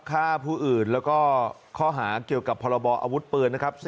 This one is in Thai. ฆ่าผู้อื่นแล้วก็ข้อหาเกี่ยวกับพรบออาวุธปืนนะครับ